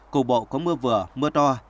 cục bộ có mưa vừa mưa to